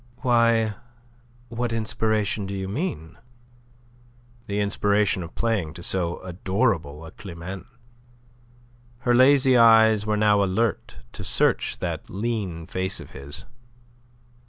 "Why, what inspiration do you mean?" "The inspiration of playing to so adorable a Climene." Her lazy eyes were now alert to search that lean face of his.